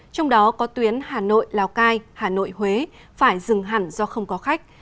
trong đó có tuyến hà nội lào cai hà nội huế phải dừng hẳn do không có khách